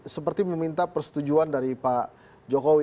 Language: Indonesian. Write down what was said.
seperti meminta persetujuan dari pak jokowi